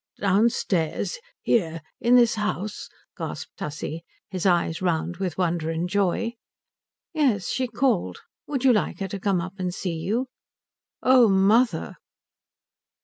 "Downstairs? Here? In this house?" gasped Tussie, his eyes round with wonder and joy. "Yes. She called. Would you like her to come up and see you?" "Oh mother!"